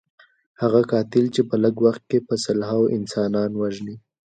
هغه قاتل چې په لږ وخت کې په سلهاوو انسانان وژني.